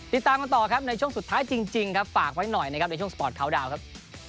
ติดตามมาต่อในช่วงสุดท้ายจริงครับฝากไว้หน่อยในช่วงสปอร์ตเคา้วดาวครับ